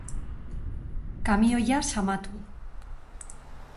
kamioia zamatu